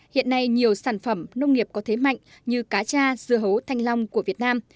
hiện nay nhiều sản phẩm nông nghiệp có thế mạnh như cá cha dưa hấu thanh long của việt nam